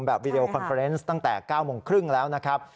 วีดีโอคอนเฟอร์เนสตั้งแต่๙โมงครึ่งแล้วนะครับ